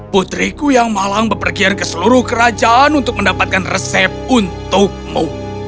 putriku yang malang bepergian ke seluruh kerajaan untuk mendapatkan resep untukmu